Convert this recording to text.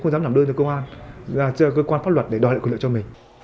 không dám làm đơn cho cơ quan cơ quan pháp luật để đòi lại quyền lợi cho mình